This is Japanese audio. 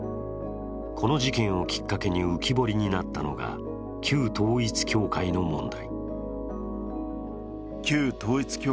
この事件をきっかけに浮き彫りになったのが旧統一教会の問題。